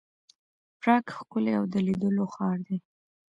پراګ ښکلی او د لیدلو ښار دی.